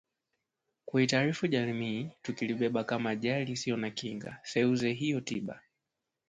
kuitaarifu jamii tukilibeba kama ajali isiyo na kinga seuze hiyo tiba